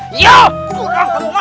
kurang kamu mah